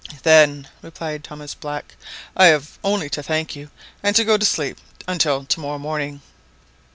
"Then," replied Thomas Black, "I have only to thank you, and to go to sleep until to morrow morning."